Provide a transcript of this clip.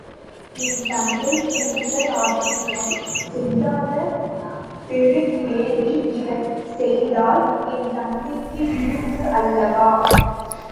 என் தந்தை திருதராட்டிரன் செய்யாத பெரு வேள்வி இவன் செய்தால் என் தந்தைக்கு இழுக்கு அல்லவா?